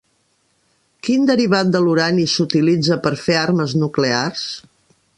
Quin derivat de l'urani s'utilitza per fer armes nuclears?